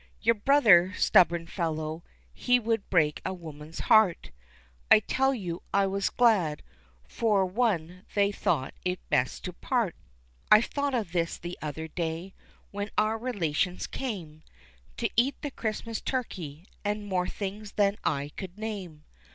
"Your brother, stubborn fellow, he would break a woman's heart, I tell you I was glad for one they thought it best to part!" I thought of this the other day, when our relations came To eat the Xmas turkey, and more things than I could name.